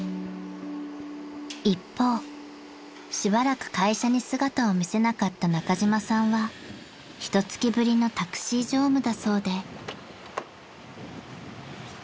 ［一方しばらく会社に姿を見せなかった中島さんはひと月ぶりのタクシー乗務だそうで］